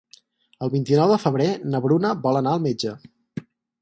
El vint-i-nou de febrer na Bruna vol anar al metge.